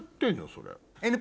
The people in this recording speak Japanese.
それ。